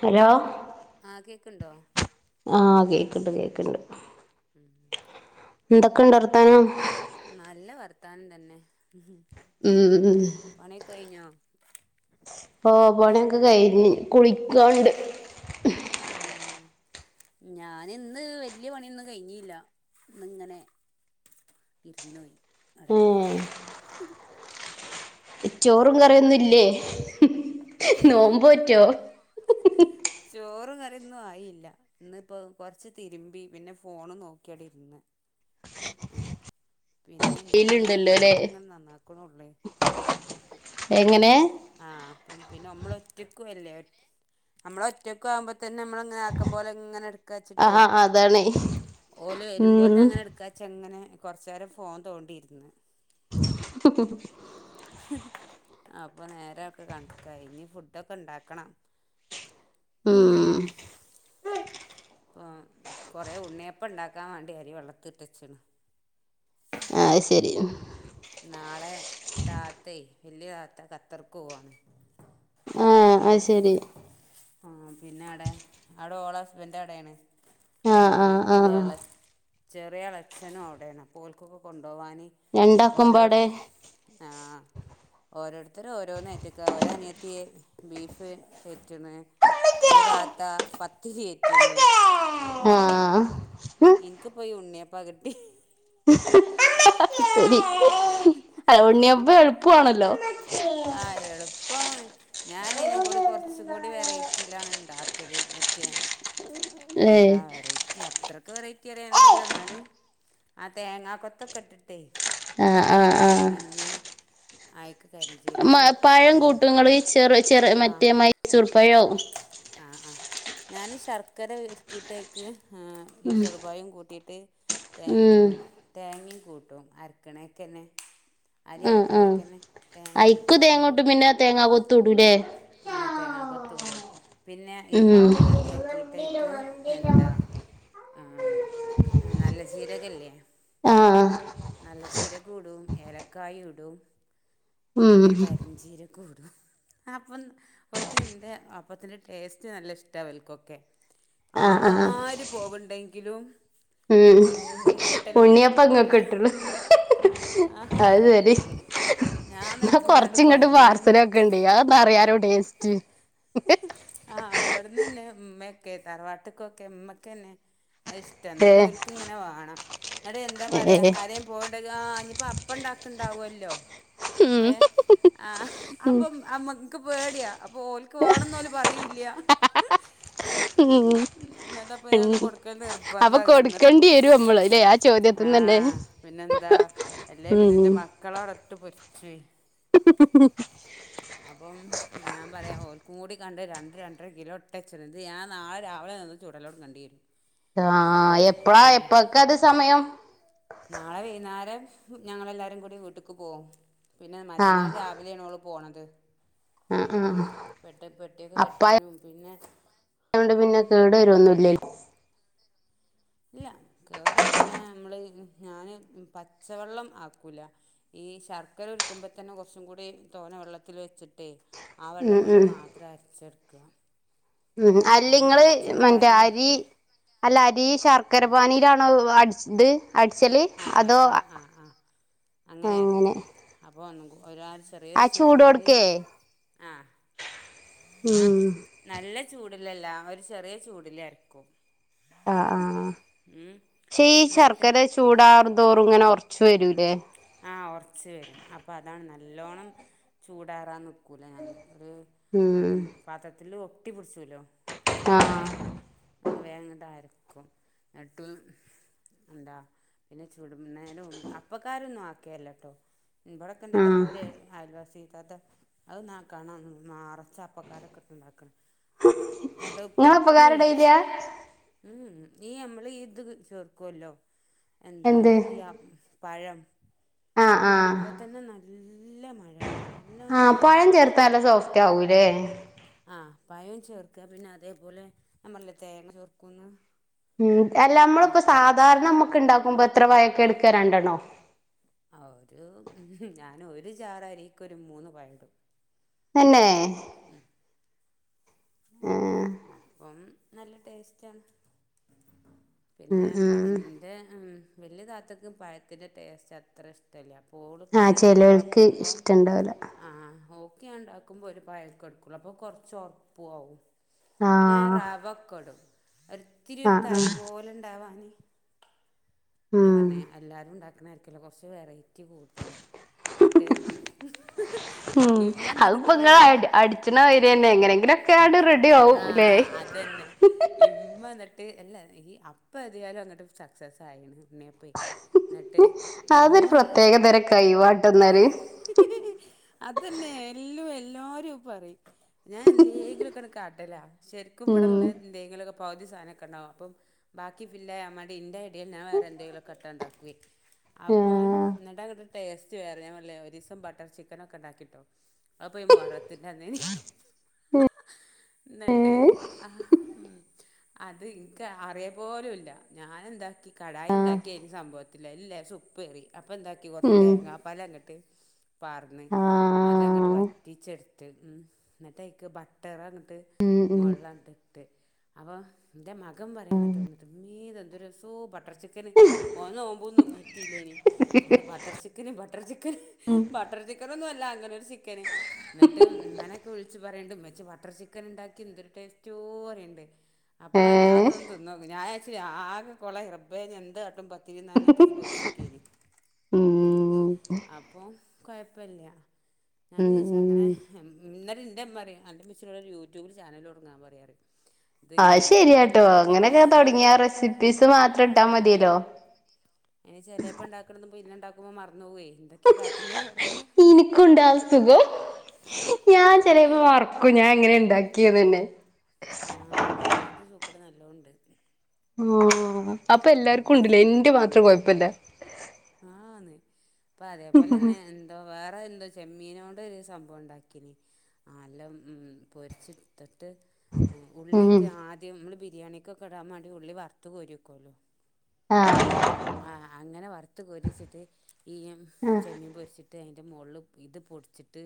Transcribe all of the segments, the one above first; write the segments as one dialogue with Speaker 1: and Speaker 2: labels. Speaker 1: Hello
Speaker 2: ആഹ് കേക്ക്ണ്ടോ?
Speaker 1: ആഹ് കേക്ക്ണ്ട് കേക്ക്ണ്ട്.
Speaker 2: ഉം
Speaker 1: എന്തൊക്കെണ്ട് വർത്താനം?
Speaker 2: നല്ല വർത്താനം തന്നെ.
Speaker 1: ഉം
Speaker 2: പ
Speaker 1: ഉം
Speaker 2: പണിയൊക്കെ കഴിഞ്ഞോ
Speaker 1: ആ പണിയൊക്കെ കഴിഞ്ഞ് കുളിക്കാൻണ്ട്.
Speaker 2: ഉം ഞാനിന്ന് വെല്ല്യ പണിയൊന്നും കഴിഞ്ഞില്ല ഇന്നിങ്ങനെ ഇരുന്നുപോയി അവിടെ
Speaker 1: ഉം ചോറും കറിയൊന്നുംല്ലേ? നോമ്പോറ്റോ?
Speaker 2: ചോറും കറീന്നും ആയില്ല. ഇന്നിപ്പൊ കൊറച്ച് തിരുമ്പി പിന്നെ ഫോണും നോക്കിയടെ ഇരുന്ന്. ആഹ് പിന്നെ ഇനി ഇങ്ങനെ
Speaker 1: വെയിലുണ്ടല്ലോ ല്ലേ
Speaker 2: അതൊക്കെ ഇങ്ങനെ നന്നാക്ക്ണൊള്ളെ
Speaker 1: എങ്ങനെ
Speaker 2: ആഹ് അപ്പം പിന്നെ നമ്മള ഒറ്റക്കു അല്ലേ നമ്മള ഒറ്റക്ക ആവുമ്പോ തന്നെ നമ്മ ആക്കം പൊലെ ഇങ്ങനെ ഇട്ക്കാചിട്ടെ
Speaker 1: ആഹ് അതാണ് ഉം
Speaker 2: ച്ചെങ്ങനെ കൊറച്ച നേരം ഫോൺ തോണ്ടിയിന്ന്
Speaker 1: [unintelligible]
Speaker 2: [unintelligible] അപ്പൊ നേരൊക്കെ കണക്ക ഇനി ഫുഡ ഒക്കെ ഉണ്ടാക്കണം
Speaker 1: ഉം
Speaker 2: ഹും അപ്പോൾ കുറേ ഉണ്ണിയപ്പം ഉണ്ടാക്കാൻ വേണ്ടി അരി വെള്ളത്തിട്ട വെച്ചണ്
Speaker 1: ആത് ശരി
Speaker 2: നാളെ താത്തേ വലിയ താത്ത കത്തർക്ക് പോണ്
Speaker 1: ആഹ്
Speaker 2: അപ്പൊ
Speaker 1: അത് ശരി
Speaker 2: ആഹ് പിന്നെ അടെ അവിടെ ഓളോ ഹസ്ബൻ് അവിടയാണ്
Speaker 1: ആഹ് ആഹ് ആഹ്
Speaker 2: പിന്നെന്ത്ള ചെറിയളച്ഛനും അവിടെയാണ് പൂൽക്കൊക്കെ കൊണ്ടുപോകാന് ഓരോരു
Speaker 1: രണ്ടാക്കുമ്പാടെ
Speaker 2: ആഹ് ഓരോരുത്തർും ഓരോന്ന്റ്റക്കുക ഓരോ അനിയത്തി ബീഫ് ഏറ്റുണ് ഒരു താത്ത പത്തികഏറ്റുണ് അപ്പൊ
Speaker 1: ആഹ്
Speaker 2: എനിക്ക് പോ ഉണ്ണിയ പകട്ടി
Speaker 1: ശരി അഹ് ഉണ്ണിയപ്പ എളുപ്പമാണല്ലോ
Speaker 2: ആഹ് എളുപ്പം ഞാന ഇതിനും കൂടി കുറച്ചും കൂടി വെറൈറ്റിയിലാണ് ഉണ്ടാക്കല് മറ്റേ എന്താ
Speaker 1: ഏഹ്
Speaker 2: വ റെ [unintelligible] അത്രക്ക് വെറൈറ്റി അരയാനന്നല്ല എന്നാലും ആഹ് തേങ്ങാ കൊത്തൊക്കെ ഇട്ടിട്ടേ
Speaker 1: ആഹ് ആഹ് ആഹ്
Speaker 2: പിന്നെ ആയക്ക കരി
Speaker 1: ഉം പഴം കൂട്ടങ്ങള് ഈ ചെറു ചെറ
Speaker 2: ആഹ്
Speaker 1: മറ്റേ മൈസൂർ പഴോ
Speaker 2: ആഹ് ആഹ് ഞാൻ ശർക്കര ഒരുക്കിയിട്ടേക്ക് ഈ ചെറുപായും കൂട്ടിയിട്ട്
Speaker 1: ഉം
Speaker 2: [unintelligible] തേങ്ങയും കൂട്ടും അരക്കണേക്ക തന്നെ അരി അരക്കണേക്ക തന്നെ തേങ്ങ അരക്ക
Speaker 1: എക്ക് തേങ്ങോട്ടും പിന്നെ തേങ്ങാ കൊത്ത ഇടൂലേ
Speaker 2: ആഹ് തേങ്ങാ കൊത്തൂടും പിന്നെ ഈ
Speaker 1: ഉം
Speaker 2: മാവ് റെഡിയ ആക്കിയിട്ടേക്ക് എന്താ ആർ നല്ല ചീരകല്ലേ
Speaker 1: ആഹ്
Speaker 2: നല്ല ജീര ഇടും ഏലക്കായ ഇടും
Speaker 1: ഉം
Speaker 2: പിന്നെ കരിഞ്ചീര ഇടും അപ്പം വൽക്ക എൻ്റെ അപ്പത്തിൻ്റെ ടേസ്റ്റ് നല്ല ഇഷ്ടമാണ് വൽക്കൊക്കെ
Speaker 1: ആഹ് ആഹ്
Speaker 2: ആര് പോകണ്ടെങ്കിലും
Speaker 1: ഉം ഉണ്ണിയപ്പ അങ്ങൊക്ക
Speaker 2: ഉണ്ടാക്കാൻ
Speaker 1: ഇട്ടുള്ളു [unintelligible]
Speaker 2: ആ
Speaker 1: അത് ശരി
Speaker 2: ഞാൻ
Speaker 1: എന്ന
Speaker 2: നടത്തുമ്പോഴാണ്ട്
Speaker 1: കൊറച്ച് ഇങ്ങോട്ട്
Speaker 2: കൊയങ്ങല
Speaker 1: പാർസലക്ക ണ്ടറിയാനോ ടേസ്റ്റ്
Speaker 2: ആഹ് അവിടുന്ന് തന്നെ ഉമ്മയ ഒക്കെ തറവാട്ടക്കൊക്കെ ഉമ്മക്കെന്നെ അത് ഇഷ്ട എന്നിട്ട്
Speaker 1: ഏഹ്
Speaker 2: ഒക്ക് ഇങ്ങനെ വേണം എന്നിട്ട് എന്താ പറയാ
Speaker 1: ഏഹ്
Speaker 2: ഹരേ പോട അനിപ്പോ അപ്പ ഉണ്ടാക്കണ്ടാവല്ലോ ഏഹ് ആഹ് അപ്പം അമ്മക്ക് പേടിയാ അപ്പൊ ഓലക്ക് വേണംന്ന് പോല് പറയൂല്ല
Speaker 1: ഉം
Speaker 2: എന്നിട്ടപ്പൊ ഞാനത്
Speaker 1: ഉം
Speaker 2: കൊടുക്കല്
Speaker 1: അവപ്പൊ
Speaker 2: നിർബന്ധാക്കാണ് എന്നിട്ട്
Speaker 1: കൊടുക്കേണ്ടി വരും നമ്മള അല്ലെ ആഹ് ചോദ്യത്തിന്ന തന്നെ
Speaker 2: ആഹ് പിന്നെന്താ അല്ലേ പിന്നെ
Speaker 1: ഉം
Speaker 2: എന്റെ മക്കള അവിടട്ട് പൊരിച്ച്
Speaker 1: [unintelligible]
Speaker 2: അപ്പം ഞാൻ പറയാം ൽക്കും കൂടി കണ്ട് രണ്ട് രണ്ടര കിലോ ഒട്ടച്ചി ഇത് ഞാൻ നാളെ രാവിലെ നിന്ന് ചൂടലോ കണ്ടി വരുന്നു
Speaker 1: ആഹ് എപ്പഴാ എപ്പഴക്കെ അത് സമയം
Speaker 2: നാളെ വൈന്നാരം ഞങ്ങളെല്ലാരും കൂടി വീട്ട്ക്ക് പോവും പിന്നെ മറ്റന്നാൾ
Speaker 1: ആഹ്
Speaker 2: രാ ഇയ്ലാണോള് പോണത്
Speaker 1: ആഹ്
Speaker 2: ഉം
Speaker 1: ആഹ്
Speaker 2: പെട്ട പെട്ട്യോക്കെ കെട്ടാനും പിന്നെ
Speaker 1: ട്ട്യോണ്ട് പിന്നെ കേട് വരൊന്നുല്ല്യല്ലോ
Speaker 2: ഇല്ല കേട്‌ പിന്നെ അമ്മള് ഞാന് പച്ചവെള്ളം ആക്കൂല. ഈ ശർക്കര ഉരുക്കുമ്പോ തന്നെ കൊറച്ചും കൂടി തോനെ വെള്ളത്തില് വെച്ചിട്ടേ ആ വെള്ളം
Speaker 1: ഉം
Speaker 2: കൊണ്ട്
Speaker 1: ഉം
Speaker 2: മാത്രം അരച്ചെടുക്ക.
Speaker 1: ഉം അല്ലിങ്ങള് വെ മറ്റെ അരി അല്ല അരി ശർക്കര പാനീലാണോ അടിച്ചത്? അടിച്ചല്
Speaker 2: ആ
Speaker 1: അതോ
Speaker 2: ആ ആ
Speaker 1: അങ്ങനെ.
Speaker 2: അപ്പോ ഒന്നുകൂ ഒരാ ഒരാൾ ചെറിയൊരു
Speaker 1: ആ
Speaker 2: ചൂടില്
Speaker 1: ചൂടോട്ക്കേ
Speaker 2: ആഹ്.
Speaker 1: ഉം.
Speaker 2: നല്ല ചൂടിലല്ല ഒരു ചെറിയ ചൂടില് അര്ക്കും.
Speaker 1: ആഹ് ആഹ് ആഹ് ക്ഷേ ഈ
Speaker 2: എന്നിട്ട്
Speaker 1: ശർക്കര ചൂടാറും തോറും ഇങ്ങനെ ഒറച്ച് വരൂല്ലേ?
Speaker 2: ആഹ് ഒറച്ച് വരും അപ്പ അതാണ് നല്ലോണ്ണം ചൂടാറാൻ നിക് ക്കൂല ഞാന് ഒരു ഉം പാത്രത്തില് ഒട്ടി പിടിച്ചൂലോ. പ്പയ്ന്
Speaker 1: ആഹ്
Speaker 2: മുന്നേ ഏഹ് വേഗങ്ങട്ട് അരക്കും ന്നട്ട്. എന്താ പിന്നെ ചുടന്നെന് മുന്നെ അപ്പക്കര രോന്നും ആക്കെ അല്ലട്ടോ ഇവ്‌ടൊക്കെ എന്റെ
Speaker 1: ആഹ്
Speaker 2: ഒരേ അയൽവാസി താത്ത അത് നാ കാണാം നെറച്ചപ്പക്കാരൊക്കെ ഇട്ട് ഇണ്ടാക്കണ്. എന്നട്ട് അത്
Speaker 1: ഇങ്ങളെ
Speaker 2: പൊട്ടി ഒലിച്ച്
Speaker 1: ഉപ്പക്കാരടേയില്ല
Speaker 2: ഉം ഈ അമ്മള് ഈ ഇത് ചേർക്കുവല്ലോ. എന്താ
Speaker 1: എന്ത്
Speaker 2: യ പഴം.
Speaker 1: ആഹ്
Speaker 2: അപ്പൊ
Speaker 1: ആഹ്
Speaker 2: തന്നെ നല്ല മഴ നല്ലോണം മയണ്ടാവു.
Speaker 1: നല്ല സോഫ്റ്റ് ആകൂല്ലേ.
Speaker 2: ആഹ് പഴോം ചേർക്ക പിന്ന അതേപോലെ ഞാൻ പറഞ്ഞില്ലേ തേങ്ങ ചേർക്കൂന്ന്.
Speaker 1: ഉം എല്ല അമ്മള്പ്പ സാധാരണ നമ്മുക്ക് ഇണ്ടാക്കുമ്പൊ എത്ര വാഴക്ക എടുക്കാ രണ്ടണ്ണോ?
Speaker 2: ആഹ് ഒരു ഞാൻ ഒരു ജാറരിക്കൊരു മൂന്ന് പഴടും.
Speaker 1: തന്നെ?
Speaker 2: ഉം.
Speaker 1: ഏഹ്.
Speaker 2: അപ്പം നല്ല ടേസ്റ്റാണ്.
Speaker 1: ഉം
Speaker 2: പിന്നെ
Speaker 1: ഉം
Speaker 2: പയ്ന്ൻ്റെ ഉം വല്യാ താത്തക്ക്‌ പഴത്തിൻ്റെ ടേസ്റ്റ് അത്ര ഇഷ് ഷ്ട്ടല്ല അപ്പോളുക്ക്
Speaker 1: ആഹ്
Speaker 2: ഞാൻ
Speaker 1: ചെലോൽക്ക്
Speaker 2: ഇണ്ടാക്കുമ്പോ
Speaker 1: ഇഷ്ടണ്ടാവൂല
Speaker 2: ആഹ് ഓക്ക്‌ ഞാൻ ഇണ്ടാക്കുമ്പോ ഒരു പയൊക്കെ എടുക്കുള്ളൂ അപ്പോ കൊറച്ച് ഒറപ്പും ആവും. പിന്നെ
Speaker 1: ആഹ്
Speaker 2: റാവക്കൊടും ഒരിത്തിരി ഒരു
Speaker 1: ആഹ് ആഹ്
Speaker 2: തരി പോലെ ഇണ്ടാവാനി. അ
Speaker 1: ഉം
Speaker 2: പറഞ്ഞെ എല്ലാരും ഉണ്ടാക്കണായിരിക്കൂലെ കൊറച്ച് വെറൈറ്റി കൂടുതല. ന്നിട്ട്
Speaker 1: ഉം
Speaker 2: ഇമ്മ എന്നിട്ട്
Speaker 1: അതിപ്പോ
Speaker 2: കൊറെ
Speaker 1: ഇങ്ങള് അടി അടിച്ചണ മാതിരിന്നെ എങ്ങനെങ്കിലൊക്കെ ആട് റെഡി ആവും ല്ലേ
Speaker 2: ആഹ് അത് അതന്നെ ഇമ്മന്നിട്ട് എല്ല ഈ അപ്പം എത്യാലും അങ്ങട്ട് സക്സസ് ആയിണ് ഉണ്ണിയപ് പ്പെ എന്നിട്ട്
Speaker 1: അതൊരു
Speaker 2: ഇമ്മ
Speaker 1: പ്രത്യേക തരം കൈവാട്ട എന്നാല്
Speaker 2: അതന്നെ എല്ലു എല്ലാരും പറയും ഞാൻ എന്തെങ്കിലും ത്തരെ ക്കാട്ടലാ ശരിക്കും ഇവിടെ ഇള്ള
Speaker 1: ഉം
Speaker 2: എന്തെങ്കിലൊക്കെ പകുതി സാനൊക്കെ ഇണ്ടാവും അപ്പോ ബാക്കി ഫില്ലായാൻ മേണ്ടി ഇന്റെ ഐഡിയൽ ഞാൻ വേറെ എന്തെങ്കിലൊക്കെട്ടാ ഇണ്ടാക്കുവേ. അപ്പം
Speaker 1: ആഹ്
Speaker 2: എന്നിട്ടങ്ങട്ട് ടേസ്റ്റ് വേറായ ഞാൻ പറഞ്ഞില്ലേ ഒരിസം ബട്ടർ ചിക്കനൊക്കെ ഇണ്ടാക്കിട്ടോ. അപ്പൊ ഈ മോറത്തിന്റെ [unintelligible] ന്നിട്ട്
Speaker 1: ഏഹ്
Speaker 2: ആഹ് ഉം. അത് ഇൻക്ക് അറിയ പോലുല്ല ഞാൻ എന്താക്കി കടായി ഇണ്ടാക് ക്കെയ്ന് സംഭവത്തില് അയ്ല് ലേശം ഉപ്പേറി അപ്പൊ എന്താക്കി കൊറച്ച്
Speaker 1: ഉം
Speaker 2: തേങ്ങാപ്പാല് അങ്ങട്ട് പാർന്ന് അതങ്ങട്ട്
Speaker 1: ആഹ്
Speaker 2: വറ്റ് റ്റിച്ചെടുത്ത് ഉം എന്നിട്ടയിക്ക് ബട്ടറങ്ങട്ട്
Speaker 1: ഉം ഉം
Speaker 2: മേളിലങ്ങട്ട് ഇട്ട്. അപോ ഇൻ്റെ മകൻ പറയന്നിട്ട് വന്നിട്ട് ഇമേ ഇതെന്തൊരു രസോ ബട്ടർ ചിക്കന്. ഓന് നോമ്പൊന്നും നോറ്റിലേനി ബട്ടർ ചിക്കന് ബട്ടർ ചിക്കന്
Speaker 1: ഉം
Speaker 2: ബട്ടർ ചിക്ക് ക്കനൊന്നും അല്ല അങ്ങനെ ഒരു ചിക്കന്. എന്നിട്ട് ഉമ്മനൊക്കെ വിളിച്ച് പറയ്ണ്ട്, ഉമ്മച്ചി ബട്ടർ ചിക്കൻ ഇണ്ടാക്കി എന്തൊരു ടേസ്റ്റോ പറയ്ണ്ട്.
Speaker 1: ഏ
Speaker 2: അപ്പോളാണ് ഞാൻ ഇതൊന്ന് തിന്നോക്. ഞാ ച്ച് ആകെ കൊളായി റബ്ബേ ഇഞ്ഞ് എന്താട്ടും. [unintelligible] പേടിച്ചിക്കേ നി. ഉം അപ്പൊ കൊയപ്പില്ല. ഞാൻ
Speaker 1: ഉം
Speaker 2: ചച്ചാ അങ്ങനെ
Speaker 1: ഉം
Speaker 2: ഇന്നിട്ടെൻ്റെ ഉമ്മ പറയും, അൻ്റെ മ്മച്ചിനോട് ഒരു യൂട്യൂബില് ചാനലൊടങ്ങാൻ പറയ പറയാറ്. [inaudible]
Speaker 1: അയ് ശരിയാട്ടോ. അങ്ങനെയൊക്കെ തൊടങ്ങിയ റെസിപ്പീസ് മാത്രം ഇട്ടാ മതിയല്ലോ?
Speaker 2: അയ്ന് ചേലെപ്പം ഇണ്ടാക്ക്ണ്ത് പിന്നെ ഇണ്ടാക്കുമ്പോ മറന്ന് പോവെയ്. എന്തൊക്കെ കാട്ടീനി ന്നോർമണ്ടാ
Speaker 1: എനിക്കുണ്ടാ അസുഖം. ഞാൻ
Speaker 2: അത്
Speaker 1: ചെലെപ്പം
Speaker 2: ശരി
Speaker 1: മറക്കും. ഞാൻ എങ്ങനെ ഉണ്ടാക്കിയ തന്നെ.
Speaker 2: ആഹ് അങ്ങനത്തെ സൂക്കട് നല്ലോണണ്ട്.
Speaker 1: ആ അപ്പൊ എല്ലാർക്കും ഉണ്ട്ല്ലേ. ന്റെ മാത്രം കൊഴപ്പല്ല.
Speaker 2: ആന്ന് പ്പൊ അതേപോലെന്നെ ഞാൻ വേറെ എന്തോ ചെമ്മീനോണ്ട് ഒരു സംഭവം ഉണ്ടാക്കിനി. ആല്ലാം മം പൊരിച്ചിടിത്തിട്ട്, ഏ
Speaker 1: ഉം
Speaker 2: ഉള്ളിയൊക്കെ ആദ്യം നമ്മള് ബിരിയാണിക്കൊക്കെ ഇടാൻ വേണ്ടി ഉള്ളി വറുത്ത് കോരി വെകോല്ലോ?
Speaker 1: ആ.
Speaker 2: ആ അങ്ങനെ വറുത്ത് കോരി വെച്ചിട്ട് ഈയിം, ചെമ്മീൻ പൊരിച്ചിട്ട് അതിന്റെ മോളില് ഇത് പൊടിച്ചിട്ട്.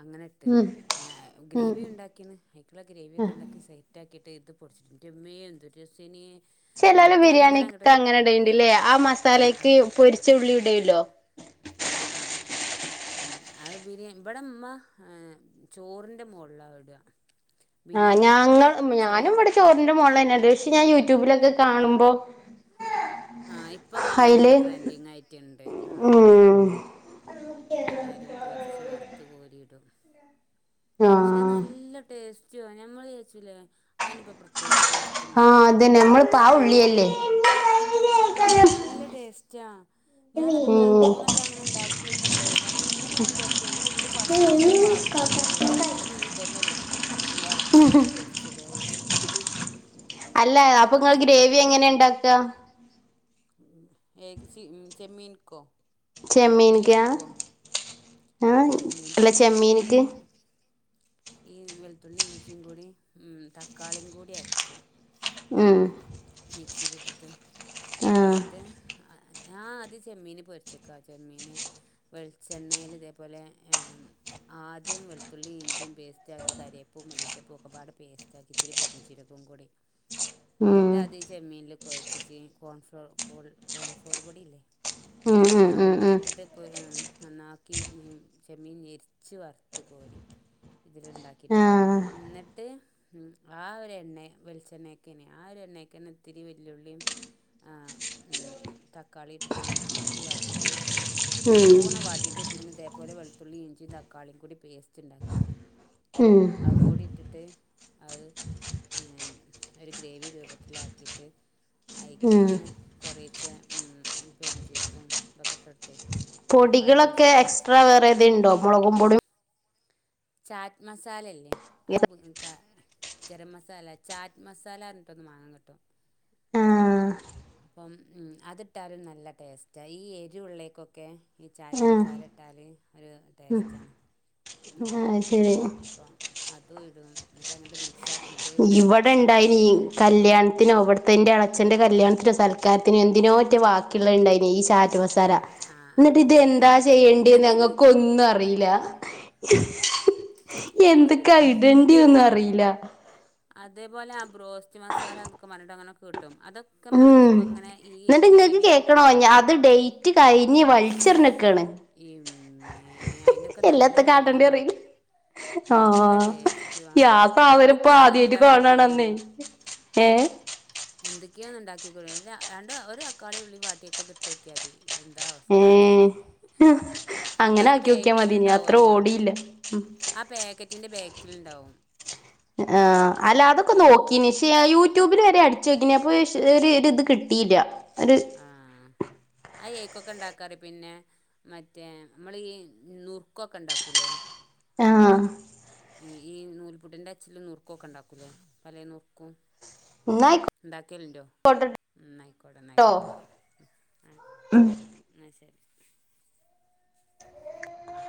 Speaker 2: അങ്ങനെ ഇട്ട്.
Speaker 1: ഉം
Speaker 2: ആ
Speaker 1: ഉം
Speaker 2: ഗ്രേവി ഉണ്ടാക്കിന്ന് ക്കുള്ള ഗ്രേവിയൊണ്ടാക്കി സെറ്റ് ആക്കിയിട്ട് ഇത് പൊടിച്ചിട്ട്. ഇന്റ മ്മേ എന്തൊരു രസേനി.
Speaker 1: ചെലോല്
Speaker 2: ഇൻക്ക് അങ്ങനെ അങ്ങട്
Speaker 1: ബിരിയാണിക്ക് അങ്ങനെ ഇടേണ്ട്ല്ലേ. ആ
Speaker 2: ആഹ്
Speaker 1: മസാലേക്ക്
Speaker 2: ആഹ്
Speaker 1: പൊരിച്ച ഉള്ളി ഇടേലോ?
Speaker 2: ആഹ് ആ. മം അത് ബിരിയാ ഇവിടെ ഇമ്മ ചോറിൻ്റെ മോളിലാണ് ഇട. [inaudible]
Speaker 1: ആ ഞാങ്ങ ഞാനും ഇവിടെ ചോറിന്റെ മോളിലെന്നെ ഇട്. ക്ഷെ ഞാൻ യൂട്യൂബിലൊക്കെ കാണുമ്പൊ,
Speaker 2: ആ ഇപ്പൊ അങ്ങനെ ഒന്ന് ട്രെൻഡിങ് ആയിട്ടുണ്ട്. ആ.
Speaker 1: ഉം
Speaker 2: എല്ലാരും പൊരിച്ച് വറുത്ത് കോരിയിടും.
Speaker 1: ആ
Speaker 2: പക്ഷെ നല്ല ടേസ്റ്റ്വാ. ഞമ്മള് വിചാരിച്ചുല്ലേ അതിനിപ്പോ പ്രത്യേകിച്ച് ടേസ്
Speaker 1: ആ
Speaker 2: റ്റ്ണ്ടാവോന്ന്.
Speaker 1: അതന്നെ നമ്മളിപ്പ ആ
Speaker 2: പക്ഷെ നല്ല
Speaker 1: ഉള്ളിയല്ലേ
Speaker 2: ആ നല്ല ടേസ്റ്റാ. ഞാനന്നിട്ട് ഇപ്പൊ രണ്ട്
Speaker 1: ഉം
Speaker 2: മൂന്ന് വട്ടം അങ്ങനെ ഉണ്ടാക്കി നോക്കിട്ടോ, ഭയങ്ക ഞാൻ വിചാരിക്ക ഉള്ളി ഫസ്റ്റ് ഇഞ്ഞ് വാട്ടി യിട്ടിള്ള പരിപാടില്ല. ഇനീ തന്നെ വര്. വറുത്ത് കോരി പൊടിച്ചിടാച്ച്.
Speaker 1: അല്ല അപ്പൊ ഇങ്ങള് ഗ്രേവി എങ്ങനെ ഇണ്ടാക്ക.
Speaker 2: എ യ്ക്ക് ചെ ചെമ്മീൻകോ?
Speaker 1: ചെമ്മീൻക്ക്യ ആ അല്ല
Speaker 2: ചെമ്മീൻക്ക്
Speaker 1: ചെമ്മീന്ക്ക്.
Speaker 2: ഗ്രേവി ഈ വെളുത്തുള്ളി ഇഞ്ചിയും കൂടി തക്കാളിയും കൂടി അരക്കും.
Speaker 1: ഉം.
Speaker 2: മിക്സിയിലിട്ടിട്ട്
Speaker 1: ആ
Speaker 2: ന്നിട്ട്, ആ ഞാ ആദ്യം ചെമ്മീന് പൊരിച്ചക്കാ ചെമ്മീന്. വെളിച്ചെണ്ണേല് ഇതേപോലെ, എമ് ആദ്യം വെളുത്തുള്ളി ഇഞ്ചും പേസ്റ്റാക്കി, കരിയേപ്പൂ മല്ലിചെപ്പും ഒക്കെ പാടെ പേസ്റ്റ് ആ ക്കി ത്തിരി പെരിജീരകം കൂടി.
Speaker 1: ഉം.
Speaker 2: ട്ടാ തി ചെമ്മീനിൽ കൊഴച്ചിച്ച് കോൺഫ്ലോർ കോൺഫ്ലോർ പൊടിയില്ലേ?
Speaker 1: ഉം ഉം
Speaker 2: അവും
Speaker 1: ഉം
Speaker 2: കൂടി
Speaker 1: ഉം
Speaker 2: ഇട്ടിട്ട് ഇപ്പോ നന്നാക്കി ഉം. ചെമ്മീൻ ഞെരിച്ച് വറുത്ത് കോരി
Speaker 1: ആ
Speaker 2: ഇതില്ണ്ടാക്കിട്ട്. എന്നിട്ട് ആ ഒരു എണ്ണേ വെളിച്ചെണ്ണേക്ക് നെ ആ ഒരു എണ്ണേ ക്കന്നെ ഇത്തിരി വെല്ലുളീം, ആ മ് തക്കാളി ഇട്ടിട്ട് നന്നാക്കി വാട്ടിയിട്ട്.
Speaker 1: ഉം
Speaker 2: നല്ലോണ്ണം വാട്ടിയിട്ട്, പിന്നെ ഇതേപോലെ വെളുത്തുള്ളി ഇഞ്ചിയും തക്കാളിയും കൂടി പേസ്റ്റ് ഇണ്ടാക്കി.
Speaker 1: ഉം
Speaker 2: അത് കൂടി ഇട്ടിട്ട് അത് ഒര് ഗ്രേവി രൂപ ത്തിലാക്കിട്ട് ഐക്ക്
Speaker 1: ഉം
Speaker 2: ഇങ്ങനെ കൊറേച്ച ഉം പെരിഞ്ചീരകോം ഇതൊക്കെ ഇട്ട് കൊടുത്തേ തക്കാളി
Speaker 1: പൊടികളൊക്കെ
Speaker 2: സോസൊക്കെ കുറച്ച്
Speaker 1: എക്സ്ട്രാ വേറെ ഏതെ ഇണ്ടോ മൊളകും പൊടി
Speaker 2: ചാറ്റ് മസാലയില്ലേ [unintelligible] ഗരം മസാല ചാറ്റ് മസാലഞ്ഞിട്ട് ഒന്ന് വാങ്ങൻ കിട്ടും
Speaker 1: ആഹ്
Speaker 2: അപ്പം അതിട്ടാലും നല്ല ടേസ്റ്റായി ഈ എരിവോള്ളേകൊക്കെ ഈ ചാറ്റ് മസാല ഇട്ടല് ഒരു
Speaker 1: ഉം
Speaker 2: ടേസ്റ്റാണ്
Speaker 1: ആഹ് ശരി
Speaker 2: അപ്പം അതും ഇടും എന്നിട്ട് അങ്ങട്ട് മിക്സാ
Speaker 1: ഇവ ടെ ഇണ്ടായി കല്യാണത്തിനോ ഇവുടുത്തെ എൻ്റെ എളച്ഛന്റെ കല്യാണത്തിനോ സൽക്കാരത്തിനോ എന്തിനോറ്റ വ [unintelligible] ഈ ച
Speaker 2: ആ
Speaker 1: [unintelligible]
Speaker 2: ആ ആ
Speaker 1: എന്നിട്ട് ഇത്
Speaker 2: ആ
Speaker 1: എന്താ ചെയ്യേണ്ടിന്ന് ഞങ്ങക്കൊന്നും അറിയില്ല എന്തൊക്ക ഇടണ്ടിയേന്ന് ഒന്നും അറിയില്ല
Speaker 2: അതേപോലെ ആ ബ്രോസ്റ്റ് മസാല എന്നോക്കെ പറഞ്ഞിട്ട് അങ്ങനൊക്കെ കിട്ടും അത് ഒക്കെ നമ്മള്
Speaker 1: ഉം
Speaker 2: ഇതക്കെ ഇങ്ങനെ ഈ
Speaker 1: എന്നിട്ട് ഇങ്ങക്ക്
Speaker 2: ഗ്രേവികള്
Speaker 1: കേക്കണോ ഞാ അത് ഡേറ്റ് കയിഞ്ഞ് വളിച്ചെറിഞ്ഞെക്കാണ്
Speaker 2: ഇമ്മേ അയിനൊക്കെ നല്ല
Speaker 1: എല്ലാത്ത കാടേണ്ടി
Speaker 2: വെലയുവാ
Speaker 1: അറില്ല ആഹ്
Speaker 2: നല്ല
Speaker 1: ആഹ്
Speaker 2: ടേസ്റ്റുവാ
Speaker 1: യാ സാധനം ഇപ്പൊ
Speaker 2: എന്തൊക്കെയോ ഒന്ന്
Speaker 1: ആദ്യായിട്ട് കാണാണന്നേ ഏയ്
Speaker 2: എന്തൊക്കെയാ ഒന്ന് ഒണ്ടാക്കി [unintelligible] രണ്ട് ഒര് തക്കാളി ഉള്ളി വാട്ടിയൊക്ക ഒന്ന് ഇട്ട് നോക്കിയാതി എന്താ അവസ്ഥാന്
Speaker 1: ഏഹ്
Speaker 2: അപ്പ
Speaker 1: അങ്ങനെ
Speaker 2: അയിന്റെ
Speaker 1: ആക്കി നോക്കിയാ
Speaker 2: ബാക്കില്
Speaker 1: മതി ഇനി അത്ര
Speaker 2: ഇണ്ടാവല്ലോ
Speaker 1: ഓടിയില്ല ഉം
Speaker 2: ആ പ്യാക്ക റ്റിന്റെ ബാക്കിലിണ്ടാവും
Speaker 1: ആഹ് അല്ല അതൊക്കെ
Speaker 2: ഏക്കൊ
Speaker 1: നോക്കി നീ ക്ഷേ യൂട്യൂബില് വരെ അടിച്ചോക്കിനി അപ്പൊ ഷ് ഒരു ഇത് ഇത് കിട്ടില്ല ഒര്
Speaker 2: ആഹ് ആ ഏക്കൊക്കെ ഒണ്ടാക്കറിയോ പിന്നെ മറ്റേ ഞമ്മള് ഈ നുറുക്കൊക്കെ ഇണ്ടാക്കൂല്ലേ
Speaker 1: ആഹ്
Speaker 2: ഈ നൂൽപുട്ടിന്റെ അച്ചിലും നുക്കൊക്കെ ഇണ്ടാക്കൂല്ലേ പല നുറുക്കും
Speaker 1: നൈക്കൊ
Speaker 2: ന്റെടാക്കൽണ്ടോ? എന്നായികോട്ടെ എന്നായികോട്ടെ നയിക്കോട്ടെ ന്നാശരി